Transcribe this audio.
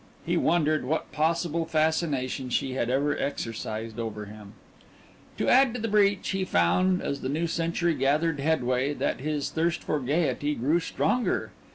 He wondered what possible fascination she had ever exercised over him. To add to the breach, he found, as the new century gathered headway, that his thirst for gaiety grew stronger.